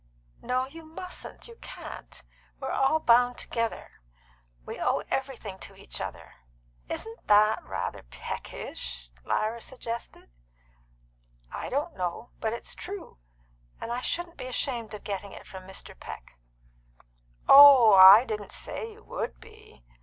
"No, you mustn't; you can't. We are all bound together; we owe everything to each other." "Isn't that rather Peckish?" Lyra suggested. "I don't know. But it's true, Lyra. And I shouldn't be ashamed of getting it from Mr. Peck." "Oh, I didn't say you would be."